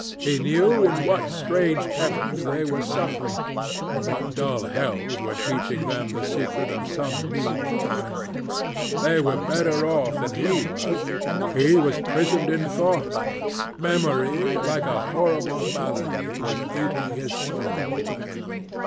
He knew in what strange heavens they were suffering, and what dull hells were teaching them the secret of some new joy. They were better off than he was. He was prisoned in thought. Memory, like a horrible malady, was eating his soul away.